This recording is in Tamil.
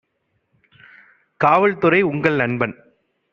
காவல்துறை உங்கள் நண்பன்